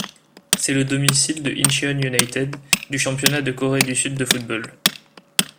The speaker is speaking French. C'est le domicile de Incheon United du Championnat de Corée du Sud de football.